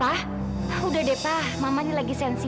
aku sangat menyesal